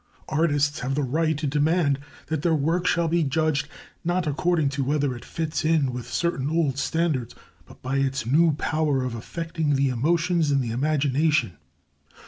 Artists have the right to demand that their work shall be judged, not according to whether it fits in with certain old standards, but by its new power of affecting the emotions and the imagination.